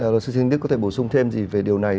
đại sứ trinh đức có thể bổ sung thêm gì về điều này